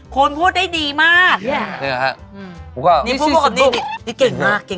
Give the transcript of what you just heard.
คนพูดได้ดีมากนี่หรอครับนี่เก่งมาก